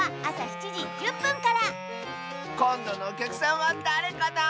こんどのおきゃくさんはだれかな？